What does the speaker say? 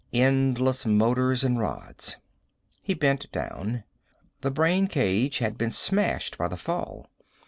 Endless motors and rods. He bent down. The brain cage had been smashed by the fall.